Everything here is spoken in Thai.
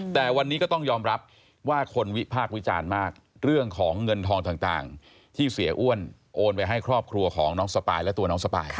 แต่วันนี้ก็ต้องยอมรับว่าคนวิพากษ์วิจารณ์มากเรื่องของเงินทองต่างที่เสียอ้วนโอนไปให้ครอบครัวของน้องสปายและตัวน้องสปาย